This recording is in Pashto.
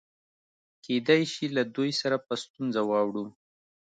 کېدای شي له دوی سره په ستونزه واوړو.